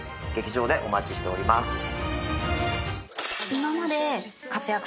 劇場でお待ちしております。